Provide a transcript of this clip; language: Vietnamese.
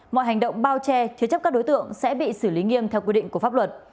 mọi hành động bao che chứa chấp các đối tượng sẽ bị xử lý nghiêm theo quy định của pháp luật